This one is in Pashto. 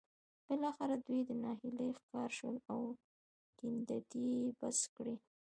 بالاخره دوی د ناهيلۍ ښکار شول او کيندنې يې بس کړې.